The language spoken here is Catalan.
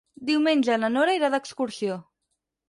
Diumenge na Nora irà d'excursió.